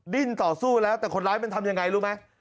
ดิ้นต่อสู้แล้วแต่คนร้ายมันทำยังไงรู้ไหม